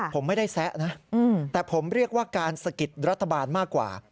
ผมไม่ได้แซะนะแต่ผมเรียกว่าการสะกิดรัฐบาลมากกว่า